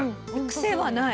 癖はない。